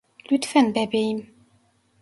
Lütfen bebeğim.